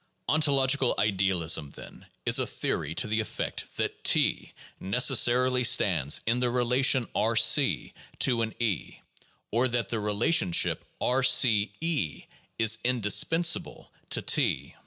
Ontological idealism, then, is a theory to the effect that T neces sarily stands in the relation R c to an E, or that the relation ship R°{E) is indispensable to T.